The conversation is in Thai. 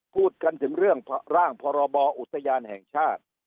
พูดกันถึงเรื่องร่างพรบอุทยานแห่งชาติ